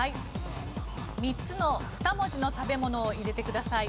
３つの２文字の食べ物を入れてください。